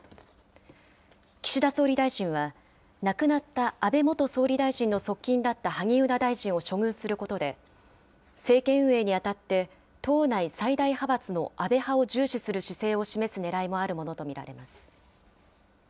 岸田総理大臣は、亡くなった安倍元総理大臣の側近だった萩生田大臣を処遇することで、政権運営にあたって党内最大派閥の安倍派を重視する姿勢を示すねらいもあるものと見られます。